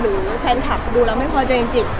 หรือแฟนทัพดูแล้วไม่พอจริงจริง